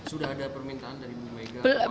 sudah ada permintaan dari bapak jokowi